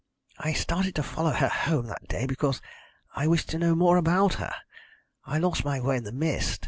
I started to follow her home that day because I wished to know more about her. I lost my way in the mist.